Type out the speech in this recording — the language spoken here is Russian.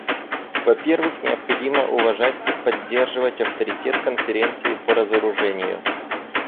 Во-первых, необходимо уважать и поддерживать авторитет Конференции по разоружению.